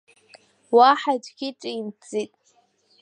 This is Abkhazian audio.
Уаҳа аӡәгьы ҿимҭӡеит.